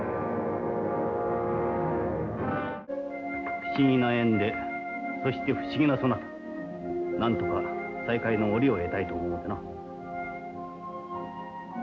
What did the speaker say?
不思議な縁でそして不思議なそなたなんとか再会の折を得たいと思うてな。